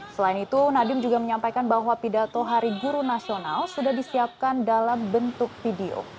selain itu nadiem juga menyampaikan bahwa pidato hari guru nasional sudah disiapkan dalam bentuk video